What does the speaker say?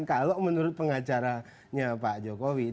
kalau menurut pengacaranya pak jokowi